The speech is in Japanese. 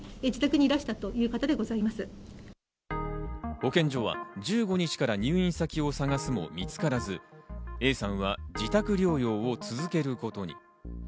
保健所は１５日から入院先を探すも見つからず、Ａさんは自宅療養を続けることに。